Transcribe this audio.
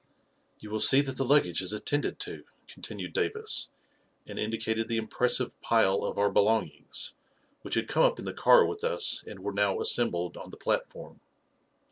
" You will see that the luggage is attended to," continued Davis, and indicated the impressive pile of our belongings, which had come up in the car with us and were now assembled on the platform.